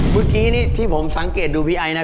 เมื่อกี้นี่ที่ผมสังเกตดูพี่ไอนะ